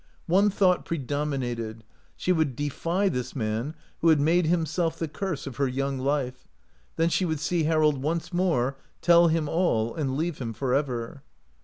One thought predominated : she would defy this man^vho had made himself the curse of her young life, then she would see Harold once more, tell him all, and leave him forever.